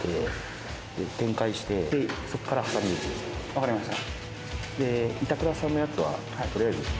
分かりました。